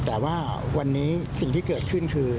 แต่ว่าวันนี้สิ่งที่เกิดขึ้นคือ